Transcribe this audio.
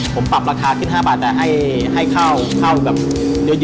ผมปรับราคาขึ้น๕บาทแต่ให้เข้าเข้าแบบเยอะเลยอ่ะ